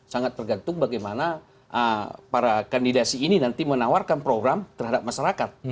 sangat tergantung bagaimana para kandidasi ini nanti menawarkan program terhadap masyarakat